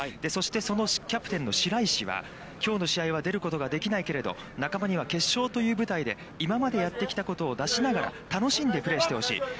そして、そのキャプテンの白石は、きょうの試合は出ることができないけれど、仲間には決勝という舞台で今までやってきたことを出しながら楽しんでプレーしてほしい。